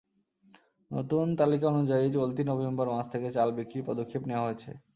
নতুন তালিকা অনুযায়ী চলতি নভেম্বর মাস থেকে চাল বিক্রির পদক্ষেপ নেওয়া হয়েছে।